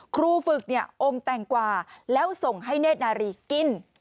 ครูฝึกเนี่ยอมแตงกว่าแล้วส่งให้เนธนารีกิน